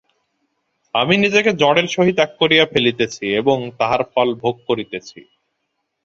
আমি নিজেকে জড়ের সহিত এক করিয়া ফেলিতেছি এবং তাহার ফল ভোগ করিতেছি।